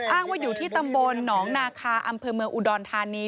อ้างว่าอยู่ที่ตำบลหนองนาคาอำเภอเมืองอุดรธานี